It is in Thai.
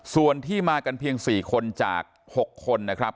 ส่วนที่มากันเพียง๔คนจาก๖คนนะครับ